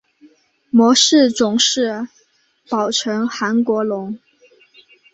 模式种是宝城韩国龙。